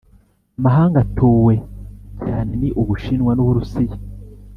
amahanga atuwe cyaneni ubushinwa nuburusiya